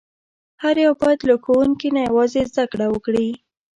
هر یو باید له ښوونکي نه یوازې زده کړه وکړي.